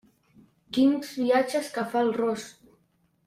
Quins viatges que fa el ros!